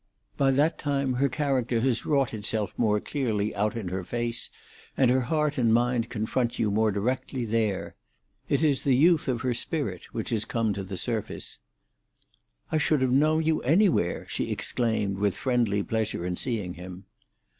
By that time her character has wrought itself more clearly out in her face, and her heart and mind confront you more directly there. It is the youth of her spirit which has come to the surface. "I should have known you anywhere," she exclaimed, with friendly pleasure in seeing him.